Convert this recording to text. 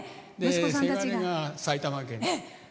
せがれが埼玉県に。